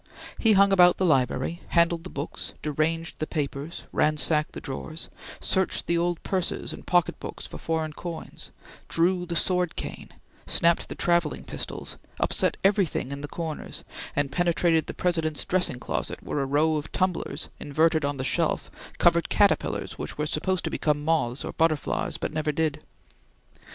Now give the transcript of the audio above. He hung about the library; handled the books; deranged the papers; ransacked the drawers; searched the old purses and pocket books for foreign coins; drew the sword cane; snapped the travelling pistols; upset everything in the corners, and penetrated the President's dressing closet where a row of tumblers, inverted on the shelf, covered caterpillars which were supposed to become moths or butterflies, but never did.